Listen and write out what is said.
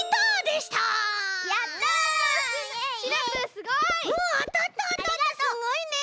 すごいね。